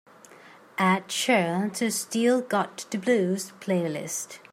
Add Chér to the Still Got the Blues playlist